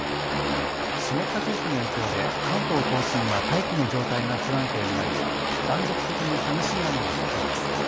湿った空気の影響で関東甲信は大気の状態が不安定になり断続的に激しい雨が降っています。